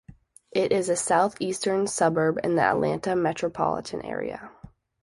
It is a southeastern suburb in the Atlanta metropolitan area.